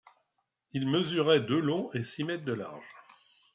Il mesurait de long et six mètres de large.